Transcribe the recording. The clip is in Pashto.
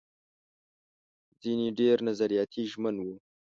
ځينې ډېر نظریاتي ژمن وو.